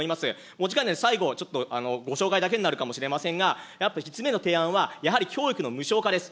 お時間で、最後、ちょっとご紹介だけになるかもしれませんが、５つ目の提案は、やはり教育の無償化です。